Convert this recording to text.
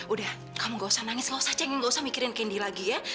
udah kamu gak usah nangis gak usah cenging gak usah mikirin candy lagi